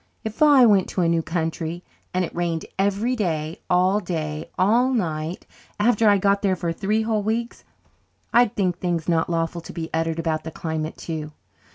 If I went to a new country and it rained every day all day all night after I got there for three whole weeks I'd think things not lawful to be uttered about the climate too.